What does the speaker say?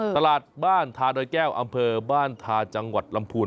ตลาดบ้านทาดอยแก้วอำเภอบ้านทาจังหวัดลำพูน